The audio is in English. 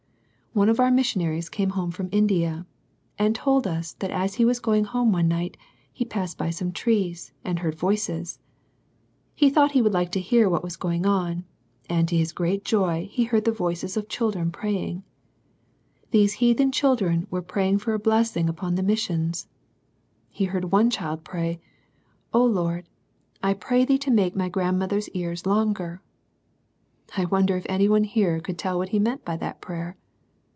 One of our missionaries came home from India, and told us that as he was going home one night, he passed by some trees, and heard voices. He thought he would like to hear what was going on, and to his great joy he heard the voices of children praying. These heathen children were praying for a blessing upon the missions. He heard ona ciiVi ^\»:?^%^"^^ Xrs^V I04 SERMONS FOR CHILDREN. I pray Thee to make my grandmother's ears longer." I wonder if any one here could tell what he meant by that prayer?